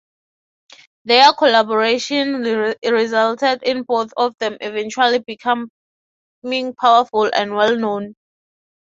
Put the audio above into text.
Their collaboration resulted in both of them eventually becoming powerful and well known.